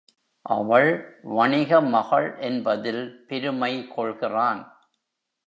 அவள் வணிக மகள் என்பதில் பெருமை கொள்கிறான்.